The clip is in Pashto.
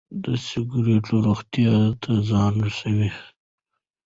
سګرټ روغتيا ته زيان رسوي.